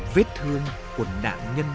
vết thương của nạn nhân